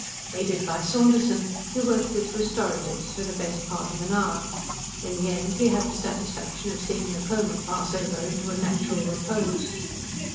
Aided by Saunderson, he worked with restoratives for the best part of an hour. In the end he had the satisfaction of seeing the coma pass over into a natural repose.